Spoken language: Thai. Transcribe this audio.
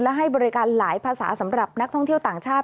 และให้บริการหลายภาษาสำหรับนักท่องเที่ยวต่างชาติ